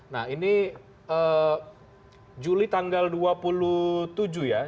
nah ini juli tanggal dua puluh tujuh ya